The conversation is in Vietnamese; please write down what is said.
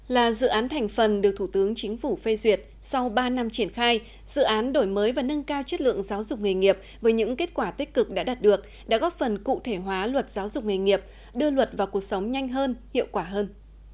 là dự án thành phần được thủ tướng chính phủ phê duyệt sau ba năm triển khai dự án đổi mới và nâng cao chất lượng giáo dục nghề nghiệp với những kết quả tích cực đã đạt được đã góp phần cụ thể hóa luật giáo dục nghề nghiệp đưa luật vào cuộc sống nhanh hơn hiệu quả hơn